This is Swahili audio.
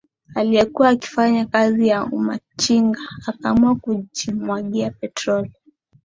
aliyekuwa akifanya kazi za umachinga akaamua kujimwagia petroli